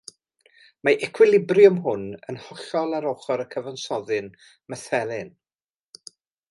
Mae'r ecwilibriwm hwn yn hollol ar ochr y cyfansoddyn methylen.